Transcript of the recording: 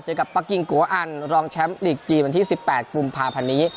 เจอกับปั๊กกิ้งกัวอันรองแชมป์ลีกจีนวันที่สิบแปดปุ่มภาพันธ์นี้